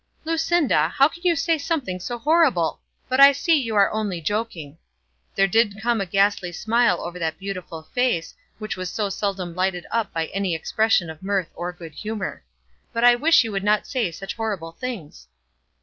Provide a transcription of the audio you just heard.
"Lucinda, how can you say anything so horrible! But I see you are only joking." There did come a ghastly smile over that beautiful face, which was so seldom lighted up by any expression of mirth or good humour. "But I wish you would not say such horrible things."